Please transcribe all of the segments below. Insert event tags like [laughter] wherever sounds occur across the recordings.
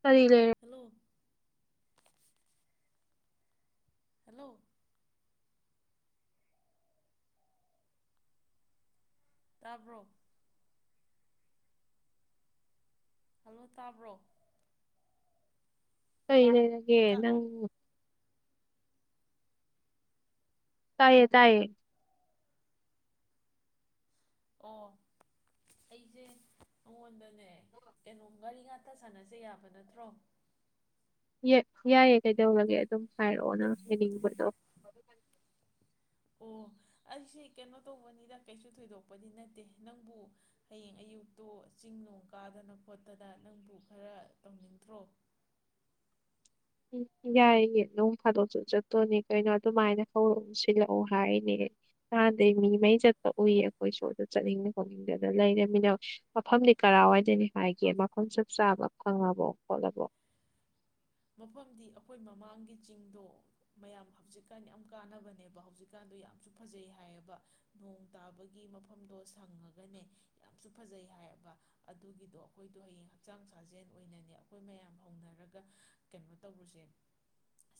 [inaudible] ꯀꯔꯤ ꯂꯩꯔꯦ hello hello ꯇꯥꯕ꯭ꯔꯣ ꯍꯜꯂꯣ ꯇꯥꯕ꯭ꯔꯣ ꯀꯩ ꯂꯩꯔꯦ ꯑꯦ ꯇꯥ ꯅꯪ ꯇꯥꯏꯌꯦ ꯇꯥꯏꯌꯦ ꯑꯣ ꯑꯩꯁꯦ ꯅꯉꯣꯟꯗꯅꯦ ꯀꯩꯅꯣꯝ ꯋꯥꯔꯤ ꯉꯥꯛꯇ ꯁꯥꯟꯅꯖꯩ ꯌꯥꯕ ꯅꯠꯇ꯭ꯔꯣ꯫ ꯌꯥꯏꯌꯦ ꯀꯩꯗꯧꯔꯒꯦ ꯑꯗꯨꯝ ꯍꯥꯏꯔꯛꯑꯣ ꯅꯪ ꯍꯥꯏꯅꯤꯡꯕꯗꯣ ꯑꯣ ꯑꯩꯁꯦ ꯀꯩꯅꯣ ꯇꯧꯕꯅꯤꯅ ꯀꯩꯁꯨ ꯊꯣꯏꯗꯣꯛꯄꯗꯤ ꯅꯠꯇꯦ ꯅꯪꯕꯨ ꯍꯥꯌꯦꯡ ꯑꯌꯨꯛꯇꯣ ꯆꯤꯡꯅꯨꯡ ꯀꯥꯗꯅ ꯈꯣꯠꯇꯅ ꯅꯪꯕꯨ ꯈꯔ ꯇꯧꯅꯤꯡꯗ꯭ꯔꯣ꯫ ꯎꯝ ꯌꯥꯏꯌꯦ ꯅꯣꯡ ꯐꯥꯗꯣꯛꯁꯨ ꯆꯠꯇꯣꯅꯦ ꯀꯩꯅꯣ ꯑꯗꯨꯃꯥꯏꯅ ꯍꯧꯔꯛꯎ ꯁꯤꯜꯂꯛꯎ ꯍꯥꯏꯅꯦ ꯅꯍꯥꯟꯗꯩ ꯃꯤꯉꯩ ꯆꯠꯄ ꯎꯏ ꯑꯩꯈꯣꯏ ꯁꯨꯗ ꯆꯠꯅꯤꯡꯗ ꯈꯣꯅꯤꯡꯗꯅ ꯂꯩꯔꯃꯤꯅ ꯃꯐꯝꯗꯤ ꯀꯔꯥꯏꯋꯥꯏꯗꯅꯤ ꯍꯥꯏꯒꯦ ꯃꯐꯝ ꯆꯞ ꯆꯥꯕ ꯈꯪꯉꯕꯣ ꯈꯣꯠꯂꯕꯣ ꯫ ꯃꯐꯝꯗꯤ ꯑꯩꯈꯣꯏ ꯃꯃꯥꯡꯒꯤ ꯆꯤꯡꯗꯣ ꯃꯌꯥꯝ ꯍꯧꯖꯤꯛꯀꯥꯟ ꯌꯥꯝ ꯀꯥꯟꯅꯕꯅꯦꯕ ꯍꯧꯖꯤꯛꯀꯥꯟꯗꯣ ꯌꯥꯝꯁꯨ ꯐꯖꯩ ꯍꯥꯏꯌꯦꯕ ꯅꯣꯡ ꯇꯥꯕꯒꯤ ꯃꯐꯝꯗꯣ ꯁꯪꯉꯒꯅꯦ ꯌꯥꯝꯁꯨ ꯐꯖꯩ ꯍꯥꯏꯌꯦꯕ ꯑꯗꯨꯒꯤꯗꯣ ꯑꯩꯈꯣꯏꯗꯣ ꯍꯌꯦꯡ ꯍꯛꯆꯥꯡ ꯁꯥꯖꯦꯜ ꯑꯣꯏꯅꯅꯦ ꯑꯩꯈꯣꯏ ꯃꯌꯥꯝ ꯍꯧꯅꯔꯒ ꯫ ꯀꯩꯅꯣ ꯇꯧꯔꯨꯁꯦ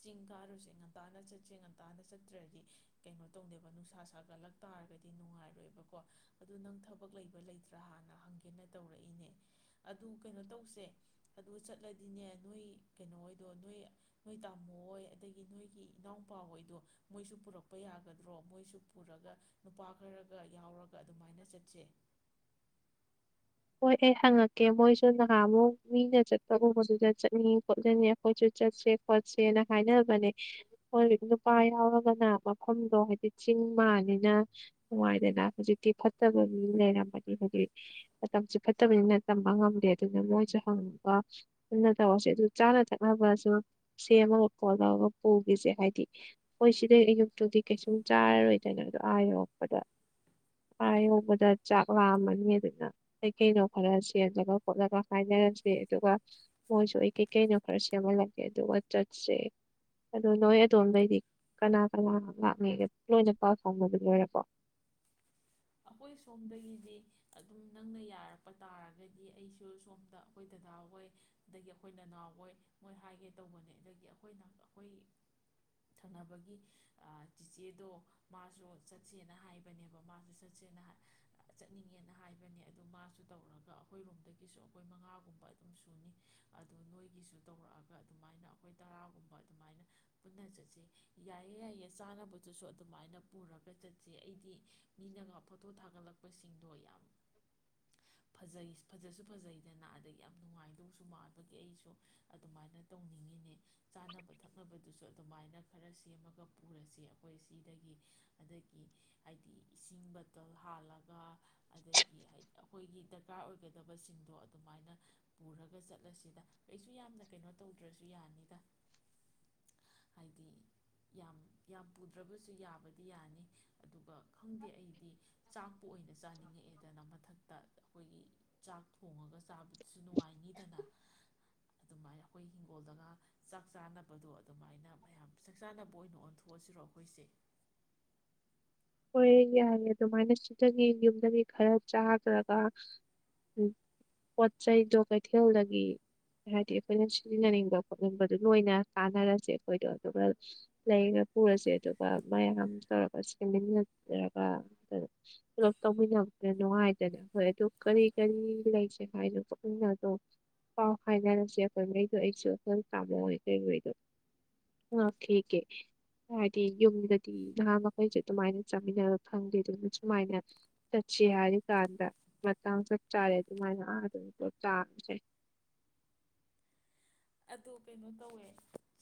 ꯆꯤꯡ ꯀꯥꯔꯨꯁꯦ ꯉꯟꯇꯥꯅ ꯆꯠꯁꯦ ꯉꯟꯇꯥꯅ ꯆꯠꯇ꯭ꯔꯗꯤ ꯀꯩꯅꯣ ꯇꯧꯅꯦꯕ ꯅꯨꯡꯁꯥ ꯁꯥꯒꯠꯂꯛ ꯇꯥꯔꯒꯗꯤ ꯅꯨꯡꯉꯥꯏꯔꯣꯏꯕꯀꯣ ꯑꯗꯨ ꯅꯪ ꯊꯕꯛ ꯂꯩꯕ ꯂꯩꯇ꯭ꯔꯥ ꯍꯥꯟꯅ ꯍꯪꯒꯦꯅ ꯇꯧꯔꯛꯏꯅꯦ ꯑꯗꯨ ꯀꯩꯅꯣ ꯇꯧꯁꯦ ꯑꯗꯨ ꯆꯠꯂꯗꯤꯅꯦ ꯅꯣꯏ ꯫ ꯀꯩꯅꯣ ꯑꯣꯏꯗꯣ ꯅꯣꯏ ꯅꯣꯏ ꯇꯥꯃꯣ ꯍꯣꯏ ꯑꯗꯒꯤ ꯅꯣꯏꯒꯤ ꯏꯅꯥꯎꯄꯥ ꯑꯣꯏꯣꯏꯗꯣ ꯃꯣꯏꯁꯨ ꯄꯨꯔꯛꯄ ꯌꯥꯒꯗ꯭ꯔꯣ ꯃꯣꯏꯁꯨ ꯄꯨꯔꯒ ꯅꯨꯄꯥ ꯈꯔꯒ ꯌꯥꯎꯔꯒ ꯑꯗꯨꯃꯥꯏꯅ ꯆꯠꯁꯦ꯫ ꯍꯣꯏ ꯑꯩ ꯍꯪꯉꯛꯀꯦ ꯃꯣꯏꯁꯨ ꯅꯍꯥꯃꯨꯛ ꯃꯤꯅ ꯆꯠꯄꯒꯨꯝꯕꯗꯨꯗ ꯆꯠꯅꯤ ꯈꯣꯠꯂꯅꯤ ꯑꯩꯈꯣꯏꯁꯨ ꯆꯠꯁꯦ ꯈꯣꯠꯁꯦꯅ ꯍꯥꯏꯅꯕꯅꯦ ꯍꯣꯏ ꯅꯨꯄꯥ ꯌꯥꯎꯔꯒꯅ ꯃꯐꯝꯗꯣ ꯍꯥꯏꯗꯤ ꯆꯤꯡ ꯃꯥꯜꯅꯤꯅ ꯅꯨꯡꯉꯥꯏꯗꯅ ꯍꯧꯖꯤꯛꯇꯤ ꯐꯠꯇꯕ ꯃꯤ ꯂꯩꯔꯝꯃꯅꯤ ꯍꯥꯏꯗꯤ ꯫ ꯃꯇꯝꯁꯦ ꯐꯠꯇꯕꯅꯤꯅ ꯇꯝꯕ ꯉꯝꯗꯦ ꯑꯗꯨꯅ ꯃꯣꯏꯁꯨ ꯍꯪꯕ ꯄꯨꯛꯅꯤꯡ ꯇꯧꯔꯁꯦ ꯑꯗꯨ ꯆꯥꯅ ꯊꯛꯅꯕꯁꯨ ꯁꯦꯝꯃꯒ ꯈꯣꯠꯂꯒ ꯄꯨꯈꯤꯁꯦ ꯍꯥꯏꯗꯤ ꯈꯣꯏ ꯁꯤꯗꯩ ꯑꯌꯨꯛꯇꯨꯗꯤ ꯀꯩꯁꯨꯝ ꯆꯥꯔꯔꯣꯏꯗꯅ ꯑꯗꯣ ꯑꯥ ꯌꯧꯔꯞꯄꯗ ꯑꯥ ꯌꯣꯛꯕꯗ ꯆꯥꯛ ꯂꯥꯝꯃꯅꯤ ꯑꯗꯨꯅ ꯫ ꯀꯩꯀꯩꯅꯣ ꯈꯔ ꯁꯦꯝꯅꯕ ꯈꯣꯠꯅꯕ ꯍꯥꯏꯅꯔꯁꯦ ꯑꯗꯨꯒ ꯃꯣꯏꯁꯨ ꯑꯩ ꯀꯩꯀꯩꯅꯣ ꯈꯔ ꯁꯦꯝꯍꯜꯂꯒꯦ ꯑꯗꯨꯒ ꯆꯠꯁ ꯑꯗꯣ ꯅꯣꯏ ꯑꯗꯣꯝꯗꯩꯗꯤ ꯀꯅꯥ ꯀꯅꯥ ꯂꯥꯛꯅꯤꯒ ꯂꯣꯏꯅ ꯄꯥꯎ ꯐꯥꯎꯕꯗꯨ ꯂꯣꯏꯔꯦꯕꯣ꯫ ꯑꯩꯈꯣꯏ ꯁꯣꯝꯗꯒꯤꯗꯤ ꯑꯗꯨꯝ ꯅꯪꯅ ꯌꯥꯔꯛꯄ ꯇꯥꯔꯒꯗꯤ ꯑꯩꯁꯨ ꯁꯣꯝꯗ ꯑꯩꯈꯣꯏ ꯗꯥꯗꯥꯍꯣꯏ ꯑꯗꯒꯤ ꯑꯩꯈꯣꯏ ꯅꯅꯥꯎꯍꯣꯏ ꯃꯣꯏ ꯍꯥꯏꯒꯦ ꯇꯧꯕꯅꯦ ꯑꯗꯒꯤ ꯑꯩꯈꯣꯏꯅ ꯑꯩꯈꯣꯏ ꯊꯪꯅꯕꯒꯤ ꯆꯤꯆꯦꯗꯣ ꯃꯥꯁꯨ ꯆꯠꯁꯦꯅ ꯍꯥꯏꯕꯅꯦꯕ ꯃꯥꯁꯨ ꯆꯠ꯫ ꯆꯠꯁꯦꯅ ꯆꯠꯅꯤꯡꯉꯦꯅ ꯍꯥꯏꯕꯅꯦ ꯑꯗꯨꯗꯣ ꯃꯥꯁꯨ ꯇꯧꯔꯒ ꯑꯩꯈꯣꯏꯔꯣꯝꯗꯒꯤꯁꯨ ꯑꯩꯈꯣꯏ ꯃꯉꯥꯒꯨꯝꯕ ꯑꯗꯨꯝ ꯁꯨꯅꯤ ꯑꯗꯨꯗ ꯅꯣꯏꯒꯤꯁꯨ ꯇꯧꯔꯛꯑꯒ ꯑꯗꯨꯃꯥꯏꯅ ꯑꯩꯈꯣꯏ ꯇꯔꯥꯒꯨꯝꯕ ꯑꯗꯨꯃꯥꯏꯅ ꯄꯨꯟꯅ ꯆꯠꯁ ꯌꯥꯏꯌꯦ ꯌꯥꯏꯌꯦ ꯆꯥꯅꯕꯗꯨꯁꯨ ꯑꯗꯨꯃꯥꯏꯅ ꯄꯨꯔꯒ ꯆꯠꯁ ꯑꯩꯗꯤ ꯃꯤꯅꯒ꯫ ꯐꯣꯇꯣ ꯊꯥꯒꯠꯂꯛꯄꯁꯤꯡꯗꯣ ꯌꯥꯝ ꯐꯖꯩ ꯐꯖꯁꯨ ꯐꯖꯩꯗꯅ ꯑꯗꯗꯒꯤ ꯌꯥꯝ ꯅꯨꯡꯉꯥꯏꯗꯧꯁꯨ ꯃꯥꯕꯒꯤ ꯑꯩꯁꯨ ꯑꯗꯨꯃꯥꯏꯅ ꯇꯧꯅꯤꯡꯉꯤꯅꯦ ꯆꯥꯅꯕ ꯊꯛꯅꯕꯗꯨꯁꯨ ꯑꯗꯨꯃꯥꯏꯅ ꯈꯔ ꯁꯦꯝꯃꯒ ꯄꯨꯔꯁꯦ ꯑꯩꯈꯣꯏ ꯁꯤꯗꯒꯤ ꯑꯗꯒꯤ ꯍꯥꯏꯗꯤ ꯏꯁꯤꯡꯕ ꯍꯥꯜꯂꯒ ꯑꯗꯒꯤ ꯑꯩꯈꯣꯏꯒꯤ ꯗꯔꯀꯥꯔ ꯑꯣꯏꯒꯗꯕꯁꯤꯡꯗꯣ ꯑꯗꯨꯃꯥꯏꯅ ꯄꯨꯔꯒ ꯆꯠꯂꯁꯤꯗ ꯀꯩꯁꯨ ꯌꯥꯝꯅ ꯀꯩꯅꯣ ꯇꯧꯗ꯭ꯔꯁꯨ ꯌꯥꯅꯤꯗ ꯍꯥꯏꯗꯤ ꯌꯥꯝ ꯌꯥꯝ ꯄꯨꯗ꯭ꯔꯕꯁꯨ ꯌꯥꯕꯗꯤ ꯌꯥꯅꯤ ꯑꯗꯨꯒ ꯈꯪꯗꯦ ꯑꯩꯗꯤ ꯆꯥꯛꯄꯨ ꯑꯣꯏꯅ ꯆꯥꯅꯤꯡꯉꯛꯑꯦꯗꯅ ꯃꯊꯛꯇ ꯑꯩꯈꯣꯏꯒꯤ ꯆꯥꯛ ꯊꯣꯡꯉꯒ ꯆꯥꯕꯗꯨꯁꯨ ꯅꯨꯡꯉꯥꯏꯅꯤꯗꯅ ꯑꯗꯨꯃꯥꯏꯅ ꯑꯩꯈꯣꯏ ꯍꯤꯡꯒꯣꯜꯗꯒ ꯆꯥꯛ ꯆꯥꯅꯕꯗꯣ ꯑꯗꯨꯃꯥꯏꯅ ꯃꯌꯥꯝ ꯆꯥꯛ ꯆꯥꯅꯕ ꯑꯣꯏꯅ ꯑꯣꯟꯊꯣꯛꯑꯁꯤꯔꯣ ꯑꯩꯈꯣꯏꯁꯦ ꯍꯣꯏ ꯌꯥꯏꯦ ꯑꯗꯨꯃꯥꯏꯅ ꯁꯤꯗꯒꯤ ꯌꯨꯝꯗꯒꯤ ꯈꯔ ꯆꯥꯈ꯭ꯔꯒ ꯄꯣꯠ ꯆꯩꯗꯣ ꯀꯩꯊꯦꯜꯗꯒꯤ ꯍꯥꯏꯗꯤ ꯑꯩꯈꯣꯏꯅ ꯁꯤꯖꯤꯟꯅꯅꯤꯡꯕ ꯈꯣꯠꯅꯤꯡꯕꯗꯣ ꯂꯣꯏꯅ ꯇꯥꯟꯅꯔꯁꯦ ꯑꯩꯈꯣꯏꯗꯣ ꯑꯗꯨꯒ ꯂꯩꯔꯒ ꯄꯨꯔꯁꯦ ꯑꯗꯨꯒ ꯃꯌꯥꯝ ꯇꯧꯔꯒ ꯆꯁꯦ꯫ ꯆꯪꯃꯤꯟꯅꯔꯒ ꯄꯨꯂꯞ ꯇꯧꯃꯤꯟꯅꯕꯗ ꯅꯨꯡꯉꯥꯏꯗꯅ ꯍꯣꯏ ꯑꯗꯨ ꯀꯔꯤ ꯀꯔꯤ ꯂꯩꯁꯦ ꯍꯥꯏꯗꯣ ꯄꯨꯛꯅ ꯑꯗꯨꯝ ꯄꯥꯎ ꯍꯥꯏꯅꯔꯁꯦ ꯑꯩꯈꯣꯏꯉꯩꯗꯣ ꯑꯩꯁꯨ ꯑꯩꯈꯣꯜ ꯇꯥꯃꯣꯏ ꯀꯩꯩꯗꯣ ꯍꯪꯉꯛꯈꯤꯒꯦ ꯍꯥꯏꯗꯤ ꯌꯨꯝꯗꯗꯤ ꯅꯍꯥ꯫ ꯑꯩꯈꯣꯏꯁꯦ ꯑꯗꯨꯃꯥꯏꯅ ꯆꯥꯃꯤꯟꯅꯕ ꯐꯪꯗꯦ ꯑꯗꯨꯅ ꯁꯨꯃꯥꯏꯅ ꯆꯠꯁꯤ ꯍꯥꯏꯔꯤꯀꯥꯟꯗ ꯃꯇꯥꯡ ꯆꯞ ꯆꯥꯔꯦ ꯑꯗꯨꯃꯥꯏꯅ ꯑꯥ ꯆꯥꯖꯩ꯫ ꯑꯗꯣ ꯀꯩꯅꯣ ꯇꯧꯋꯦ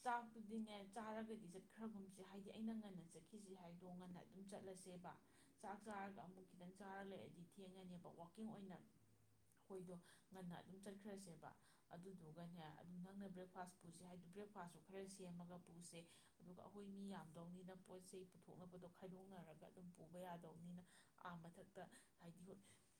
ꯆꯥꯛꯇꯨꯗꯤꯅꯦ ꯆꯥꯔꯒꯗꯤ ꯆꯠꯈ꯭ꯔꯒꯨꯝꯁꯦ ꯍꯥꯏꯗꯤ ꯑꯩꯅ ꯉꯟꯅ ꯆꯠꯈꯤꯁꯤ ꯍꯥꯏꯗꯣ ꯉꯟꯅ ꯑꯗꯨꯝ ꯆꯠꯂꯁꯦꯕ ꯆꯥꯛ ꯆꯥꯔꯒ ꯑꯃꯨꯛ ꯁꯤꯗ ꯆꯥꯔ ꯂꯩꯔꯗꯤ ꯊꯦꯡꯉꯅꯦꯕ ꯋꯥꯛꯀꯤꯡ ꯑꯣꯏꯅ ꯑꯩꯈꯣꯏꯗꯣ ꯉꯟꯅ ꯑꯗꯨꯝ ꯆꯠꯈ꯭ꯔꯁꯦꯕ ꯑꯗꯨꯗꯨꯒꯅꯦ ꯫ ꯑꯗꯨ ꯅꯪꯅ ꯕ꯭ꯔꯦꯛꯐꯥꯁ ꯄꯨꯁꯦ ꯍꯥꯏꯗꯣ ꯕ꯭ꯔꯦꯛꯐꯥꯁꯁꯨ ꯈꯔ ꯁꯦꯝꯃꯒ ꯄꯨꯁꯦ ꯑꯗꯨꯒ ꯑꯩꯈꯣꯏ ꯃꯤ ꯌꯥꯝꯗꯧꯅꯤꯅ ꯄꯣꯠ ꯆꯩ ꯄꯨꯊꯣꯛꯅꯕꯗꯣ ꯈꯥꯏꯗꯣꯛꯅꯔꯒ ꯑꯗꯨꯝ ꯄꯨꯕ ꯌꯥꯗꯧꯅꯤꯅ ꯑꯥ ꯃꯊꯛꯇ ꯍꯥꯏꯗꯤ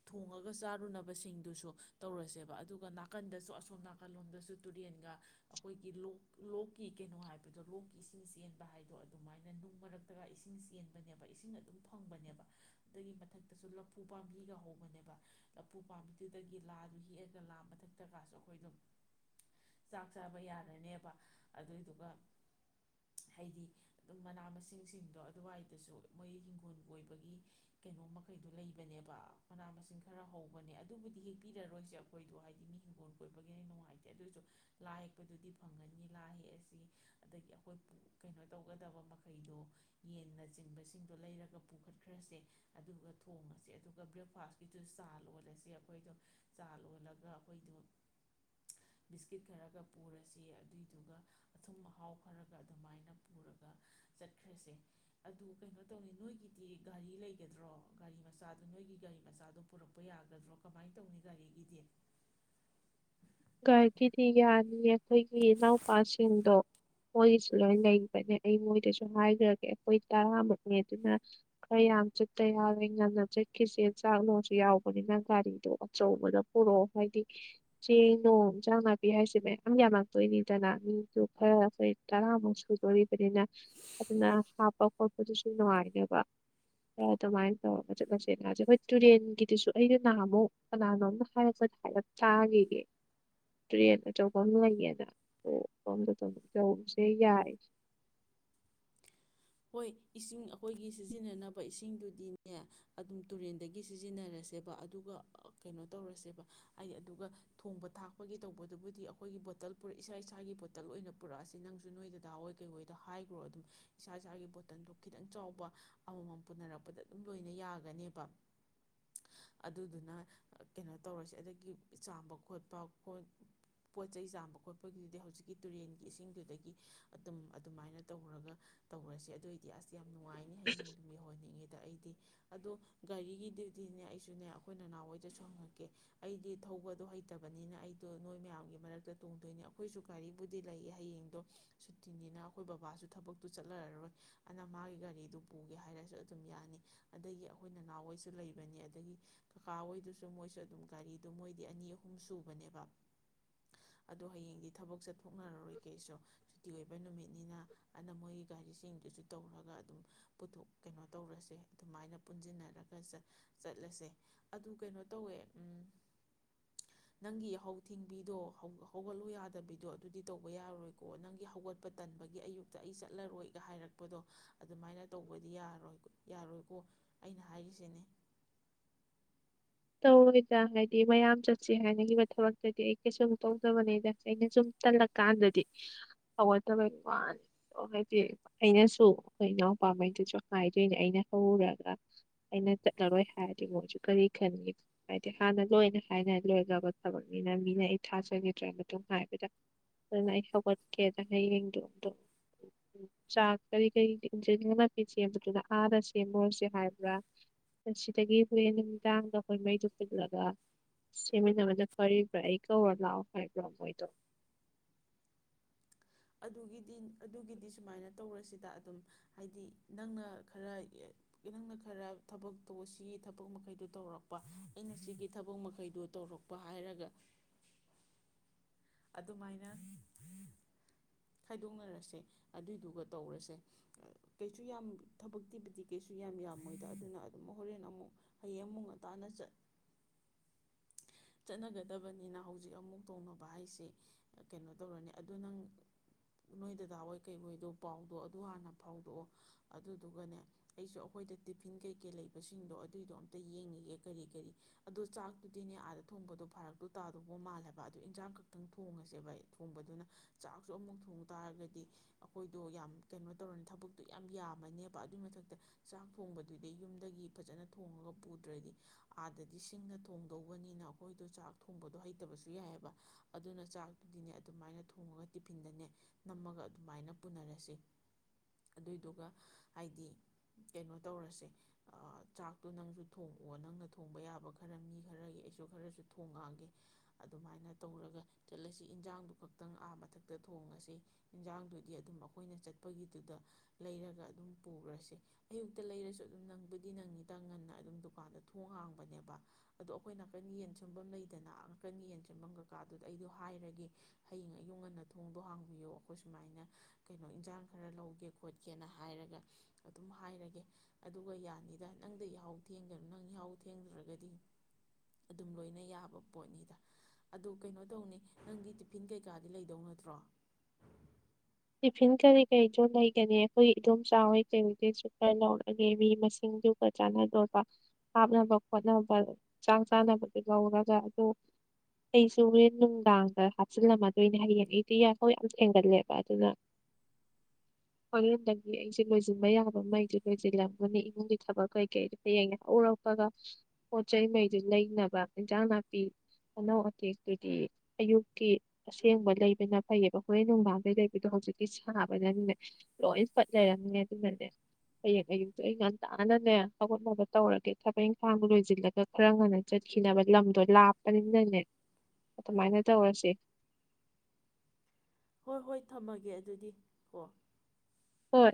ꯊꯣꯡꯉꯒ ꯆꯥꯔꯨꯅꯕꯁꯤꯡꯗꯨꯁꯨ ꯇꯧꯔꯁꯦꯕ ꯑꯗꯨꯒ ꯅꯥꯀꯟꯗꯁꯨ ꯑꯁꯣꯝ ꯅꯥꯀꯜ ꯂꯣꯝꯗꯁꯨ ꯇꯨꯔꯦꯟꯒ ꯑꯩꯈꯣꯏꯒꯤ ꯂꯣꯛ ꯂꯣꯛꯀꯤ ꯀꯩꯅꯣ ꯍꯥꯏꯕꯗꯣ ꯂꯣꯛꯀꯤ ꯏꯁꯤꯡ ꯆꯦꯟꯕ ꯍꯥꯏꯕꯗꯣ ꯑꯗꯨꯃꯥꯏꯅ ꯅꯨꯡ ꯃꯔꯛꯇꯒ ꯏꯁꯤꯡ ꯆꯦꯟꯕꯅꯦꯕ ꯏꯁꯤꯡ ꯑꯗꯨꯝ ꯐꯪꯕꯅꯦꯕ ꯑꯗꯨꯗꯒꯤ ꯃꯊꯛꯇꯁꯨ ꯂꯐꯨ ꯄꯥꯝꯕꯤꯒ ꯍꯧꯕꯅꯦꯕ ꯂꯐꯨ ꯄꯥꯝꯕꯤꯗꯨꯗꯒꯤ ꯂꯥꯗꯨ ꯍꯦꯛꯑꯒ ꯂꯥ ꯃꯊꯛꯇꯒꯁꯨ ꯑꯩꯈꯣꯏꯗꯣ ꯫ ꯆꯥꯛ ꯆꯥꯕ ꯌꯥꯔꯅꯦꯕ ꯑꯗꯨꯏꯗꯨꯒ ꯍꯥꯏꯗꯤ ꯑꯗꯨꯝ ꯃꯅꯥ ꯃꯁꯤꯡꯁꯤꯡꯗꯣ ꯑꯗꯨꯋꯥꯏꯗꯁꯨ ꯃꯣꯏ ꯍꯤꯡꯒꯣꯜ ꯀꯣꯏꯕꯒꯤ ꯀꯩꯅꯣ ꯃꯈꯩꯗꯣ ꯂꯩꯕꯅꯦꯕ ꯃꯅꯥ ꯃꯁꯤꯡ ꯈꯔ ꯍꯧꯕꯅꯦ ꯑꯗꯨꯕꯨꯗꯤ ꯍꯦꯛꯄꯤꯔꯔꯣꯏꯁꯦ ꯑꯩꯈꯣꯏꯗꯣ ꯍꯥꯏꯗꯤ ꯃꯤ ꯍꯤꯡꯒꯣꯜ ꯀꯣꯏꯕꯒꯤ ꯅꯨꯡꯉꯥꯏꯇꯦ꯫ ꯑꯗꯨꯁꯨ ꯂꯥ ꯍꯦꯛꯄꯗꯨꯗꯤ ꯐꯪꯒꯅꯤ ꯂꯥꯏ ꯍꯦꯛꯑꯁꯤ ꯑꯗꯒꯤ ꯑꯩꯈꯣꯏ ꯀꯩꯅꯣ ꯇꯧꯒꯗꯕ ꯃꯈꯩꯗꯣ ꯌꯦꯟꯅ ꯆꯤꯡꯕꯁꯤꯡꯗꯣ ꯂꯩꯔꯒ ꯄꯨꯈꯠꯈ꯭ꯔꯁꯦ ꯑꯗꯨꯒ ꯊꯣꯡꯉꯁꯦ ꯑꯗꯨꯒ ꯕ꯭ꯔꯦꯛꯐꯥꯁꯀꯤꯗꯨꯁꯨ ꯆꯥ ꯑꯣꯜꯂꯁ ꯑꯩꯈꯣꯏꯗꯣ ꯆꯥ ꯂꯣꯜꯂꯒ ꯑꯩꯈꯣꯏꯗꯣ ꯕꯤꯁꯀꯤꯠ ꯈꯔꯒ ꯄꯨꯔꯁꯤ ꯑꯗꯨꯏꯗꯨꯒ ꯑꯊꯨꯝ ꯑꯍꯥꯎ ꯈꯔꯒ ꯑꯗꯨꯃꯥꯏꯅ ꯄꯨꯔꯒ ꯆꯠꯈ꯭ꯔꯁꯦ ꯑꯗꯨ ꯀꯩꯅꯣ ꯇꯧꯅꯤ ꯅꯣꯏꯒꯤꯗꯤ ꯒꯥꯔꯤ ꯂꯩꯒꯗ꯭ꯔꯣ ꯒꯥꯔꯤ ꯃꯆꯥꯗ ꯅꯣꯏꯒꯤ ꯒꯥꯔꯤ ꯃꯆꯥꯗꯣ ꯄꯨꯔꯛꯄ ꯌꯥꯒꯗ꯭ꯔꯣ ꯀꯃꯥꯏꯅ ꯇꯧꯅꯤ ꯒꯥꯔꯤꯒꯤꯗꯤ꯫ ꯒꯥꯔꯤꯗꯤ ꯌꯥꯅꯤꯌꯦ ꯑꯩꯈꯣꯏꯒꯤ ꯏꯅꯥꯎꯄꯥꯁꯤꯡꯗꯣ ꯃꯣꯏꯒꯤꯁꯨ ꯂꯣꯏ ꯂꯩꯕꯅꯦ ꯑꯩ ꯃꯣꯏꯗꯁꯨ ꯍꯥꯏꯈ꯭ꯔꯒꯦ ꯑꯩꯈꯣꯏ ꯇꯔꯥꯃꯨꯛꯅꯦ ꯑꯗꯨꯅ ꯈꯔ ꯌꯥꯝ ꯆꯠꯇ ꯌꯥꯔꯣꯏ ꯉꯟꯅ ꯆꯠꯈꯤꯁꯦ ꯆꯥꯛꯅꯨꯡꯁꯨ ꯌꯥꯎꯕꯅꯤꯅ ꯒꯥꯔꯤꯗꯣ ꯑꯆꯧꯕꯗ ꯄꯨꯔꯛꯑꯣ ꯍꯥꯏꯗꯤ ꯆꯦꯡ꯫ ꯅꯣꯡ ꯏꯟꯁꯥꯡ ꯅꯥꯄꯤ ꯍꯥꯏꯁꯦ ꯃꯌꯥꯝ ꯌꯥꯝꯃꯛꯇꯣꯏꯅꯤꯗꯅ ꯃꯤꯗꯨ ꯈꯔ ꯑꯩꯈꯣꯏ ꯇꯔꯥꯃꯨꯛ ꯁꯨꯗꯣꯔꯤꯕꯅꯤꯅ ꯑꯗꯨꯅ ꯍꯥꯞꯄ ꯈꯣꯠꯄꯗꯨꯁꯨ ꯅꯨꯡꯉꯥꯏꯅꯦꯕ ꯈꯔ ꯑꯗꯨꯃꯥꯏꯅ ꯇꯧꯔꯒ ꯃꯆꯦꯠ ꯃꯆꯦꯠꯅꯁꯦ ꯑꯩꯈꯣꯏ ꯇꯨꯔꯦꯟꯒꯤꯗꯨꯁꯨ ꯑꯩꯩꯅ ꯅꯍꯥꯟꯃꯨꯛ ꯀꯅꯥꯅꯣꯝꯅ ꯍꯥꯏꯔꯛꯄ ꯍꯥꯏꯔꯞ ꯆꯥꯈꯤꯌꯦ꯫ ꯇ꯭ꯔꯦꯟ ꯑꯆꯧꯕ ꯂꯩꯌꯦꯅ ꯑꯣ ꯑꯣꯝꯗ ꯇꯧꯕꯁꯦ ꯌꯥꯏ ꯍꯣꯏ ꯏꯁꯤꯡ ꯑꯩꯈꯣꯏꯒꯤ ꯁꯤꯖꯤꯟꯅꯅꯕ ꯏꯁꯤꯡꯗꯨꯗꯤꯅꯦ ꯑꯗꯨꯝ ꯇꯨꯔꯦꯟꯗꯒꯤ ꯁꯤꯖꯤꯟꯅꯔꯁꯦꯕ ꯑꯗꯨꯒ ꯀꯩꯅꯣ ꯇꯧꯔꯁꯦꯕ ꯍꯥꯏꯗꯤ ꯑꯗꯨꯒ ꯊꯣꯡꯕ ꯊꯥꯛꯄꯒꯤ ꯇꯧꯕꯗꯨꯕꯨꯗꯤ ꯑꯩꯈꯣꯏꯒꯤ ꯕꯣꯇꯜ ꯄꯨꯔ ꯏꯁꯥ ꯏꯁꯥꯒꯤ ꯕꯣꯇꯜ ꯑꯣꯏꯅ ꯄꯨꯔꯛꯑꯁ ꯅꯪꯁꯨ ꯅꯣꯏꯗꯥꯗꯥ ꯍꯣꯏ ꯀꯩꯍꯣꯏꯗ ꯍꯥꯏꯈ꯭ꯔꯣ ꯑꯗꯨꯝ꯫ ꯏꯁꯥ ꯏꯁꯥꯒꯤ ꯕꯣꯇꯜꯗꯣ ꯈꯤꯇꯪ ꯆꯥꯎꯕ ꯑꯃꯃꯝ ꯄꯨꯅꯔꯛꯄꯗ ꯑꯗꯨꯝ ꯂꯣꯏꯅ ꯌꯥꯒꯅꯦꯕ ꯑꯗꯨꯗꯨꯅ ꯀꯩꯅꯣ ꯇꯧꯔꯁꯦ ꯑꯗꯒꯤ ꯆꯥꯝꯕ ꯈꯣꯠꯄ ꯄꯣꯠ ꯆꯩꯩ ꯆꯥꯝꯕ ꯈꯣꯠꯄꯒꯤꯗꯨꯗꯤ ꯍꯧꯖꯤꯛꯀꯤ ꯇꯨꯔꯦꯟꯒꯤ ꯏꯁꯤꯡꯗꯨꯗꯒꯤ ꯑꯗꯨꯝ ꯑꯗꯨꯃꯥꯏꯅ ꯇꯧꯔꯒ ꯫ ꯇꯧꯔꯁꯦ ꯑꯗꯨꯑꯣꯏꯗꯤ ꯑꯁ ꯌꯥꯝ ꯅꯨꯡꯉꯥꯏ꯫ [inaudible] ꯗ ꯑꯩꯗꯤ ꯑꯗꯣ ꯒꯥꯔꯤꯒꯤꯗꯨꯗꯤ ꯑꯩꯁꯨ ꯅꯦ ꯑꯩꯈꯣꯏ ꯅꯅꯥꯎ ꯍꯣꯏꯗꯁꯨ ꯍꯪꯉꯛꯀꯦ ꯑꯩꯗꯤ ꯊꯧꯕꯗꯣ ꯍꯩꯇꯕꯅꯤꯅ ꯑꯩꯗꯣ ꯅꯣꯏ ꯃꯌꯥꯝꯒꯤ ꯃꯔꯛꯇ ꯇꯣꯡꯗꯣꯏꯅꯦ ꯑꯩꯈꯣꯏꯁꯨ ꯒꯥꯔꯤꯕꯨꯗꯤ ꯂꯩꯌꯦ ꯍꯌꯦꯡꯗꯣ ꯁꯨꯇꯤꯅꯤꯅ ꯑꯩꯈꯣꯏ ꯕꯕꯥꯁꯨ ꯊꯕꯛꯇ ꯫ ꯆꯠꯅꯔꯔꯣꯏ ꯑꯗꯨꯅ ꯃꯥꯒꯤ ꯒꯥꯔꯤꯗꯨ ꯄꯨꯒꯦ ꯍꯥꯏꯔꯁꯨ ꯑꯗꯨꯝ ꯌꯥꯅꯤ ꯑꯗꯒꯤ ꯑꯩꯈꯣꯏ ꯅꯅꯥꯎ ꯍꯣꯏꯁꯨ ꯂꯩꯕꯅꯤ ꯑꯗꯒꯤ ꯀꯀꯥ ꯍꯣꯏꯗꯨꯁꯨ ꯃꯣꯏꯁꯨ ꯑꯗꯨꯝ ꯒꯥꯔꯤꯗꯣ ꯃꯣꯏꯗꯤ ꯑꯅꯤ ꯑꯍꯨꯝ ꯁꯨꯕꯅꯦꯕ ꯑꯗꯣ ꯍꯌꯦꯡꯗꯤ ꯊꯕꯛ ꯆꯠꯊꯣꯛꯅꯔꯔꯣꯏ ꯀꯩꯁꯨ ꯁꯨꯇꯤ ꯑꯣꯏꯕ ꯅꯨꯃꯤꯠꯅꯤꯅ ꯑꯅ ꯃꯣꯏ꯫ ꯒꯥꯔꯤꯁꯤꯡꯗꯨꯁꯨ ꯇꯧꯔꯒ ꯑꯗꯨꯝ ꯄꯨꯊꯣꯛ ꯀꯩꯅꯣ ꯇꯧꯔꯁꯦ ꯑꯗꯨꯃꯥꯏꯅ ꯄꯨꯟꯁꯤꯟꯅꯔꯒ ꯆꯠꯂꯁꯦ ꯑꯗꯨ ꯀꯩꯅꯣ ꯇꯧꯋꯦ ꯅꯪꯒꯤ ꯌꯥ ꯍꯨꯊꯤꯡꯕꯤꯗꯣ ꯍꯧꯒꯠꯂꯨ ꯌꯥꯗꯕꯤꯗꯣ ꯑꯗꯨꯗꯤ ꯇꯧꯕ ꯌꯥꯔꯔꯣꯏꯀꯣ ꯅꯪꯒꯤ ꯍꯧꯒꯠꯄ ꯇꯟꯕꯒꯤ ꯑꯌꯨꯛꯇ ꯑꯩ ꯆꯠꯅ꯫ ꯆꯠꯂꯔꯣꯏꯒ ꯍꯥꯏꯔꯛꯄꯗꯣ ꯑꯗꯨꯃꯥꯏꯅ ꯇꯧꯕꯗꯤ ꯌꯥꯔꯣꯏ ꯌꯥꯔꯣꯏꯀꯣ ꯑꯩꯅ ꯍꯥꯏꯔꯤꯁꯤꯅꯤ ꯇꯧꯔꯣꯏꯗ ꯍꯥꯏꯗꯤ ꯃꯌꯥꯝ ꯆꯠꯁꯤ ꯍꯥꯏꯅꯈꯤꯕ ꯊꯕꯛꯇꯗꯤ ꯑꯩ ꯀꯩꯁꯨꯝ ꯇꯧꯗꯕꯅꯦꯗ ꯑꯩꯅ ꯁꯨꯝ ꯇꯜꯂꯀꯥꯟꯗꯗꯤ ꯍꯧꯒꯠꯇꯕꯩ ꯋꯥꯅꯤ ꯍꯥꯏꯗꯤ ꯑꯩꯅꯁꯨ ꯑꯩꯈꯣꯏ ꯏꯅꯥꯎꯄꯥꯉꯩꯗꯨꯁꯨ ꯍꯥꯏꯗꯣꯏꯅꯦ ꯑꯩꯅ ꯍꯧꯔꯒ ꯑꯩꯅ ꯆꯠꯂꯔꯣꯏ ꯍꯥꯏꯔꯗꯤ ꯃꯣꯏꯁꯨ ꯀꯔꯤ ꯈꯟꯉ ꯍꯥꯏꯗꯤ ꯍꯥꯟꯅ ꯂꯣꯏꯅ ꯍꯥꯏꯅ ꯂꯣꯏꯒꯔꯥꯕ ꯊꯕꯛꯅꯤꯅ ꯃꯤꯅ ꯑꯩ ꯊꯥꯖꯈꯤꯗ꯭ꯔ ꯃꯇꯨꯡ ꯍꯥꯏꯕꯗ ꯑꯗꯨꯅ ꯑꯩ ꯍꯧꯒꯠꯀꯦꯅ ꯍꯌꯦꯡꯗꯣ ꯑꯗꯣ ꯆꯥꯛ ꯀꯔꯤ ꯀꯔꯤ ꯏꯪꯁꯪ ꯅꯥꯄꯤ ꯁꯦꯝꯕꯗꯨꯅ ꯑꯥꯗ ꯁꯦꯝꯃꯨꯔꯁꯦ ꯍꯥꯏꯕ꯭ꯔꯥ ꯁꯤꯗꯒꯤ ꯍꯣꯔꯦꯟ ꯑꯦꯟꯁꯪ ꯗꯨ ꯑꯩꯈꯣꯏ ꯃꯩꯗꯨꯣ ꯄꯨꯜꯂꯒ ꯁꯦꯝꯃꯤꯟꯅꯕꯅ ꯐꯔꯤꯕ꯭ꯔꯥ ꯑꯩ ꯀꯧꯔ ꯂꯥꯛꯑꯣ ꯍꯥꯏꯕ꯭ꯔꯣ ꯃꯣꯏꯗꯣ ꯑꯗꯨꯒꯤꯗꯤ ꯑꯗꯨꯒꯤꯗꯤ ꯁꯨꯃꯥꯏꯅ ꯇꯧꯔꯁꯤꯗ ꯑꯗꯨꯝ ꯍꯥꯏꯗꯤ ꯅꯪꯅ ꯈꯔ ꯅꯪꯅ ꯈꯔ ꯊꯕꯛꯠ ꯇꯣ ꯁꯤꯒꯤ ꯊꯕꯛ ꯃꯈꯩꯗꯣ ꯇꯧꯔꯛꯄ ꯑꯩꯅ ꯁꯤꯒꯤ ꯊꯕꯛ ꯃꯈꯩꯗꯣ ꯇꯧꯔꯛꯄ ꯍꯥꯏꯔꯒ ꯑꯗꯨꯃꯥꯏꯅ ꯈꯥꯏꯗꯣꯛꯅꯔꯁꯦ ꯑꯗꯨꯏꯗꯨꯒ ꯇꯧꯔꯁꯦ ꯀꯩꯁꯨ ꯌꯥꯝ ꯊꯕꯛꯇꯤꯕꯨꯗꯤ ꯀꯩꯁꯨ ꯌꯥꯝ ꯌꯥꯝꯃꯣꯏꯗ ꯑꯗꯨꯅ ꯑꯗꯨꯝ ꯍꯣꯔꯦꯟ ꯑꯃꯨꯛ ꯍꯌꯦꯡ ꯑꯃꯨꯛ ꯉꯇꯥꯅ ꯆꯠ ꯆꯠꯅꯒꯗꯕꯅꯤꯅ ꯍꯧꯖꯤꯛ ꯑꯃꯨꯛ ꯇꯧꯅꯕ ꯍꯥꯏꯁꯦ ꯀꯩꯅꯣ ꯇꯧꯔꯅꯤ ꯑꯗꯨꯗꯣ ꯅꯪ ꯅꯣꯏ ꯗꯗꯥ ꯍꯣꯏ ꯀꯩ ꯍꯣꯏꯗꯣ ꯄꯥꯎꯗꯣ ꯑꯗꯨ ꯍꯥꯟꯅ ꯐꯥꯎꯗꯣꯛꯑꯣ ꯑꯗꯨꯗꯨꯒꯅꯦ ꯑꯩꯁꯨ ꯑꯩꯈꯣꯏꯗ ꯇꯤꯐꯤꯟ ꯀꯩꯀꯩ ꯂꯩꯕꯁꯤꯡꯗꯣ ꯑꯗꯨꯏꯗꯣ ꯑꯝꯇ ꯌꯦꯡꯉꯤꯒꯦ ꯀꯔꯤ ꯀꯔꯤ ꯑꯗꯣ ꯆꯥꯛ ꯑꯗꯨꯗꯤꯅꯦ ꯑꯥꯗ ꯊꯣꯡꯕꯗꯣ ꯐꯥꯔꯛꯇꯣ ꯇꯥꯗꯧꯕꯧ ꯃꯥꯜꯂꯦꯕ ꯑꯗꯨꯗꯣ ꯏꯟꯖꯥꯡ ꯈꯛꯇꯪ ꯊꯣꯡꯉꯁꯦꯕ ꯊꯣꯡꯕꯗꯨꯅ ꯆꯥꯛꯁꯨ ꯑꯃꯨꯛ ꯊꯣꯡ ꯇꯥꯔꯒꯗꯤ ꯑꯩꯈꯣꯏꯗꯣ ꯌꯥꯝ ꯀꯩꯅꯣ ꯇꯧꯔꯅꯤ ꯊꯕꯛꯇꯣ ꯌꯥꯝ ꯌꯥꯝꯃꯅꯦꯕ ꯑꯗꯨꯏ ꯃꯊꯛꯇ ꯆꯥꯛ ꯊꯣꯡꯕꯗꯨꯗꯤ ꯌꯨꯝꯗꯒꯤ ꯐꯖꯅ ꯊꯣꯡꯉꯒ ꯄꯨꯗ꯭ꯔꯗꯤ ꯑꯥꯗꯗꯤ ꯁꯤꯡꯅ ꯊꯣꯡꯗꯧꯕꯅꯤꯅ ꯑꯩꯈꯣꯏꯗꯣ ꯆꯥꯛ ꯊꯣꯡꯕꯗꯣ ꯍꯩꯇꯕꯁꯨ ꯌꯥꯏꯑꯕ ꯑꯗꯨꯅ ꯆꯥꯛꯇꯨꯗꯤꯅꯦ ꯑꯗꯨꯃꯥꯏꯅ ꯊꯣꯡꯉꯒ ꯇꯤꯐꯤꯟꯗꯅꯦ ꯅꯝꯃꯒ ꯑꯗꯨꯃꯥꯏꯅ ꯄꯨꯅꯔꯁꯤ ꯑꯗꯨꯏꯗꯨꯒ ꯍꯥꯏꯗꯤ ꯀꯩꯅꯣ ꯇꯧꯔꯁꯦ ꯆꯥꯛꯇꯣ ꯅꯪꯁꯨ ꯊꯣꯡꯉꯑꯣ ꯅꯪꯅ ꯊꯣꯡꯕ ꯌꯥꯕ ꯈꯔ ꯃꯤ ꯈꯔꯒꯤ ꯑꯩꯁꯨ ꯈꯔꯁꯨ ꯊꯣꯡꯉꯥꯡꯒꯦ ꯑꯗꯨꯃꯥꯏꯅ ꯇꯧꯔꯒ ꯆꯠꯂꯁꯤ ꯏꯟꯖꯥꯡꯗꯨ ꯈꯛꯇꯪ ꯑꯥ ꯃꯊꯛꯇ ꯊꯣꯡꯉꯁꯤ ꯏꯟꯖꯥꯡꯗꯨꯗꯤ ꯑꯗꯨꯝ ꯑꯩꯈꯣꯏꯅ ꯆꯠꯄꯒꯤꯗꯨꯗ ꯂꯩꯔꯒ ꯑꯗꯨꯝ ꯄꯨꯈꯁꯤ ꯑꯌꯨꯛꯇ ꯂꯩꯔꯁꯨ ꯑꯗꯨꯝ ꯅꯪꯕꯨꯗꯤ ꯅꯪꯅꯤꯗ ꯉꯟꯅ ꯑꯗꯨꯝ ꯗꯨꯀꯥꯟꯗ ꯊꯣꯡ ꯍꯥꯡꯕꯅꯦꯕ ꯑꯗꯣ ꯑꯩꯈꯣꯏ ꯅꯥꯀꯟ ꯌꯦꯟ ꯁꯦꯟꯐꯝ ꯂꯩꯗꯅ ꯅꯥꯀꯟ ꯌꯦꯟ ꯁꯦꯟꯐꯝ ꯀꯀꯥꯗꯨꯗ ꯑꯩꯗꯣ ꯍꯥꯏꯔꯒꯦ ꯍꯌꯦꯡ ꯑꯌꯨꯛ ꯉꯟꯅ ꯊꯣꯡꯗꯣ ꯍꯥꯡꯕꯤꯌꯣ ꯑꯩꯈꯣꯏ ꯁꯨꯃꯥꯏꯅ ꯀꯩꯅꯣ ꯏꯟꯁꯥꯡ ꯈꯔ ꯂꯧꯒꯦ ꯈꯣꯠꯀꯦꯅ ꯍꯥꯏꯔꯒ ꯑꯗꯨꯝ ꯍꯥꯏꯔꯒꯦ ꯑꯗꯨꯒ ꯌꯥꯅꯤꯗ ꯅꯪꯗ ꯌꯥꯍꯧ ꯊꯦꯡꯒꯅꯣ ꯅꯪ ꯌꯥꯍꯧ ꯊꯦꯡꯗ꯭ꯔꯒꯗꯤ ꯑꯗꯨꯝ ꯂꯣꯏꯅ ꯌꯥꯕ ꯄꯣꯠꯅꯤꯗ ꯑꯗꯨ ꯀꯩꯅꯣ ꯇꯧꯅꯤ ꯅꯪꯒꯤ ꯇꯤꯐꯤꯟ ꯀꯩꯀꯥꯗꯤ ꯂꯩꯗꯧ ꯅꯠꯇ꯭ꯔꯣ ꯇꯤꯐꯤꯟ ꯀꯔꯤ ꯀꯔꯤꯗꯣ ꯂꯩꯒꯅꯤ ꯑꯩꯈꯣꯏ ꯏꯗꯣꯝ ꯆꯥꯎꯋꯤ ꯀꯩꯍꯩ ꯀꯩꯁꯨꯨ ꯈꯔ ꯂꯧꯔꯒꯦ ꯃꯤ ꯃꯁꯤꯡꯗꯨꯒ ꯆꯥꯟꯅꯗꯣꯕ ꯍꯥꯞꯅꯕ ꯈꯣꯠꯅꯕ ꯆꯥꯛ ꯆꯥꯅꯕꯗꯨ ꯂꯧꯔꯒ ꯑꯗꯨꯗ ꯑꯩꯁꯨ ꯍꯣꯔꯦꯟ ꯅꯨꯡꯗꯥꯡꯗ ꯍꯥꯞꯆꯤꯜꯂꯝꯃꯗꯣꯏꯅꯦ ꯍꯌꯦꯡ ꯑꯩꯗꯤ ꯌꯥꯏꯈꯣꯏ ꯌꯥꯝ ꯊꯦꯡꯎꯟꯂꯦꯕꯥ ꯑꯗꯨꯅ ꯍꯣꯔꯦꯟꯗꯒꯤ ꯑꯩꯁꯦ ꯂꯣꯏꯁꯤꯟꯕ ꯌꯥꯕ ꯃꯩ ꯂꯣꯏꯁꯤꯜꯂꯝꯒꯅꯤ ꯏꯃꯨꯡꯒꯤ ꯊꯕꯛ ꯀꯩꯀꯩꯗ ꯍꯌꯦꯡ ꯍꯧ ꯎꯔꯛꯄꯒ ꯄꯣꯠ ꯆꯩꯩꯉꯩꯗꯨ ꯂꯩꯅꯕ ꯏꯟꯁꯥꯡ ꯅꯥꯄꯤ ꯑꯅꯥꯧ ꯑꯇꯦꯛꯇꯨꯗꯤ ꯑꯌꯨꯛꯀꯤ ꯑꯁꯦꯡꯕ ꯂꯩꯕꯅ ꯐꯩꯑꯕ ꯍꯣꯔꯦꯟ ꯅꯨꯡꯕꯥꯡꯗꯩ ꯑꯗꯨꯗꯣ ꯍꯧꯖꯤꯛꯇꯤ ꯁꯥꯕꯗꯅꯦ ꯂꯣꯏ ꯄꯠ ꯂꯩꯔꯝꯅꯦ ꯑꯗꯨꯅꯅꯦ ꯍꯌꯦꯡ ꯑꯌꯨꯛꯇꯣ ꯑꯩ ꯉꯟꯇꯥꯥꯟꯅꯅꯦ ꯍꯧꯒꯠ ꯂꯒꯥ ꯇꯧꯔꯒꯦ ꯊꯕꯛ ꯏꯪꯈꯥꯡꯗ ꯂꯣꯏꯁꯤꯜꯂꯒ ꯈꯔ ꯉꯟꯅ ꯆꯠꯈꯤꯅꯕ ꯂꯝꯗꯣ ꯂꯥꯞꯄꯅꯤꯅꯅꯦ ꯑꯗꯨꯃꯥꯏꯅ ꯇꯧꯔꯁꯤ ꯍꯣꯏ ꯍꯣꯏ ꯊꯝꯃꯒꯦ ꯑꯗꯨꯗꯤ ꯍꯣ ꯍꯣꯏ